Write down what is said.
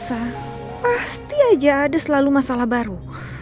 setiap aku bantuin elsa pasti aja ada selalu masalah baru